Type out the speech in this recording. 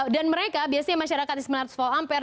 dan mereka biasanya masyarakat sembilan ratus volt ampere